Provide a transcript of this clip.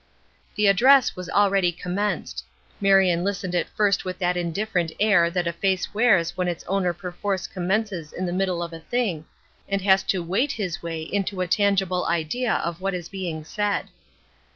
The address was already commenced. Marion listened at first with that indifferent air that a face wears when its owner perforce commences in the middle of a thing, and has to wait his way to a tangible idea of what is being said.